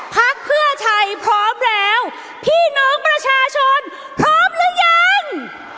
พักเพื่อไทยพร้อมแล้วพี่น้องประชาชนพร้อมหรือยัง